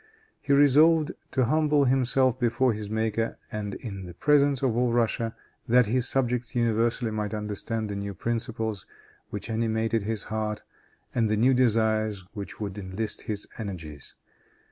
He resolved to humble himself before his Maker in the presence of all Russia, that his subjects universally might understand the new principles which animated his heart, and the new desires which would enlist his energies.